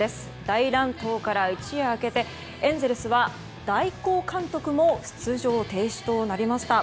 大乱闘から一夜明けてエンゼルスは代行監督も出場停止となりました。